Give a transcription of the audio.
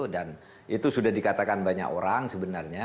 dan itu sudah dikatakan banyak orang sebenarnya